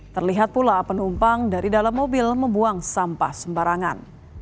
terlihat pula penumpang dari dalam mobil membuang sampah sembarangan